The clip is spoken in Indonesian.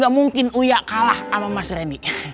ga mungkin uyak kalah ama mas reddy